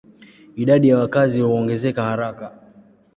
Idadi ya wakazi huongezeka haraka.